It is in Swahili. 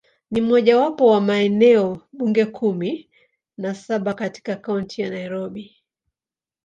Ni mojawapo wa maeneo bunge kumi na saba katika Kaunti ya Nairobi.